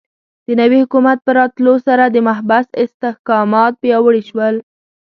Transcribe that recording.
د نوي حکومت په راتلو سره د محبس استحکامات پیاوړي شول.